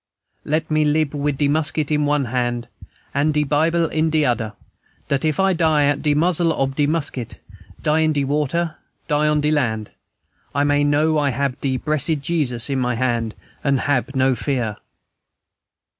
"Let me lib wid de musket in one hand an' de Bible in de oder, dat if I die at de muzzle ob de musket, die in de water, die on de land, I may know I hab de bressed Jesus in my hand, an' hab no fear."